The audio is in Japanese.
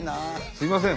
すいません。